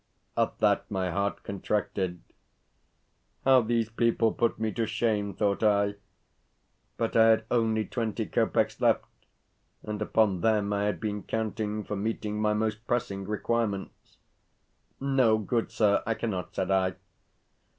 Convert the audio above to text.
At that my heart contracted, "How these people put me to shame!" thought I. But I had only twenty kopecks left, and upon them I had been counting for meeting my most pressing requirements. "No, good sir, I cannot," said I.